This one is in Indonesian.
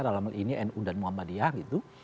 dalam hal ini nu dan muhammadiyah gitu